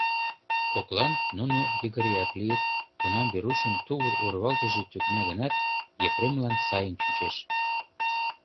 Коклан нуно йыгыреак лийыт, тунам Верушын тувыр урвалтыже тӱкна гынат, Епремлан сайын чучеш.